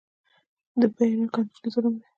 د بیو نه کنټرول ظلم دی.